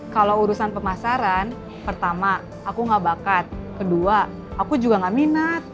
kalau urusan pemasaran pertama aku gak bakat kedua aku juga gak minat